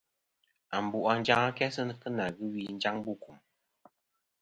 Ambu a njaŋ kæ sɨ nà ghɨ wi njaŋ bu kùm.